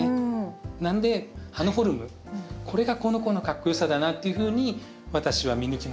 なので葉のフォルムこれがこの子のかっこよさだなっていうふうに私は見抜きました。